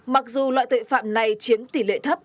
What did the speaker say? mặc dù loại tội phạm này chiếm tỷ lệ thấp